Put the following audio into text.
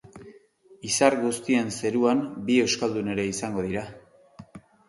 Izar guztien zeruan bi euskaldun ere izango dira.